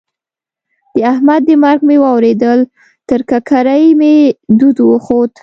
د احمد د مرګ مې واورېدل؛ تر ککرۍ مې دود وخوت.